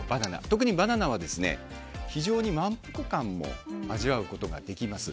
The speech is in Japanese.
特にバナナは非常に満腹感も味わうことができます。